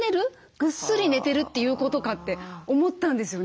ぐっすり寝てるということかって思ったんですよね。